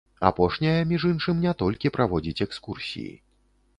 Апошняя, між іншым, не толькі праводзіць экскурсіі.